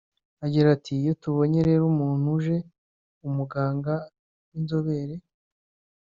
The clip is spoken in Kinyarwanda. Agira ati “iyo tubonye rero umuntu uje (umuganga w’inzobere)